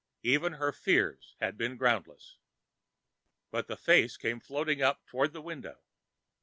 Even her fears had been groundless. But the face came floating up toward the window.